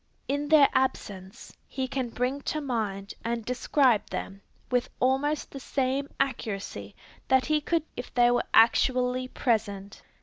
In their absence, he can bring to mind and describe them, with almost the same accuracy that he could if they were actually present.